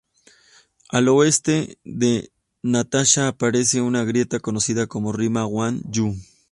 Al oeste de Natasha aparece una grieta conocida como Rima Wan-Yu.